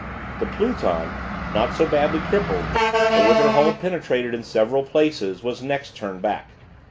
The "Pluton," not so badly crippled, but with her hull penetrated in several places, was next turned back.